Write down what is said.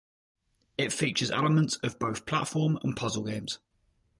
It features elements of both platform and puzzle games.